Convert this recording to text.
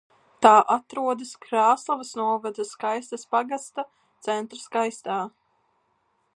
Tā atrodas Krāslavas novada Skaistas pagasta centrā Skaistā.